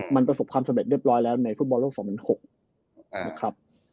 มันประสบความสำเร็จเรียบร้อยแล้วในฟุตบอลโลก๒๐๐๖นะครับ